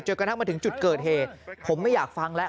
กระทั่งมาถึงจุดเกิดเหตุผมไม่อยากฟังแล้ว